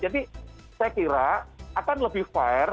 jadi saya kira akan lebih fair